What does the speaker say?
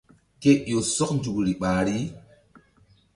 Ke ƴo sɔk nzukri ɓahri.